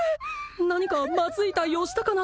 何かマズい対応したかな？